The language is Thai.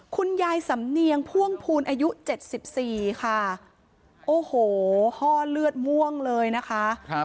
คุณยายสำเนียงพ่วงพูนอายุ๗๔ค่ะโอ้โหห้อเลือดม่วงเลยนะคะ